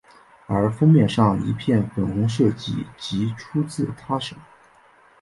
而封面上一片粉红设计即出自她手。